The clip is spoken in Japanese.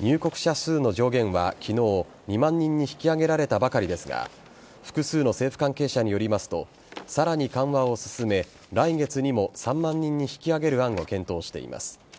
入国者数の上限は昨日、２万人に引き上げられたばかりですが複数の政府関係者によりますとさらに緩和を進め来月にも３万人に引き上げる案を検討しています。